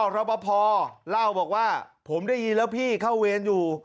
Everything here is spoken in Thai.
รอปภเล่าบอกว่าผมได้ยินแล้วพี่เข้าเวรอยู่